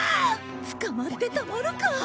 捕まってたまるか。